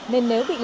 nên nếu bị ngưng